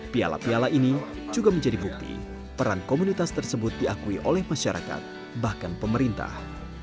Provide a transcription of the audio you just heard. piala piala ini juga menjadi bukti peran komunitas tersebut diakui oleh masyarakat bahkan pemerintah